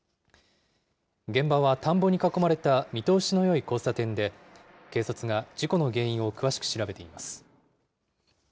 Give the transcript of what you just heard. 現場は田んぼに囲まれた見通しのよい交差点で、警察が事故の原因を詳しく調べています。